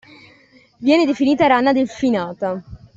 Viene definita “rana delfinata”